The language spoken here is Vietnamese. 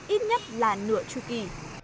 ít nhất là nửa chư kỳ